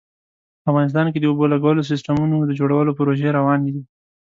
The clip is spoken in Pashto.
افغانستان کې د اوبو لګولو سیسټمونو د جوړولو پروژې روانې دي